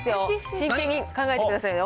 真剣に考えてくださいよ。